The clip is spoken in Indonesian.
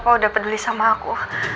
aku udah peduli sama aku